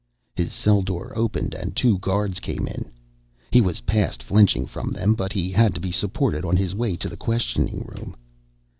His cell door opened and two guards came in. He was past flinching from them, but he had to be supported on his way to the questioning room.